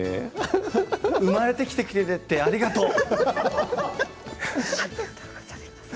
生まれてきてくれてありがとう！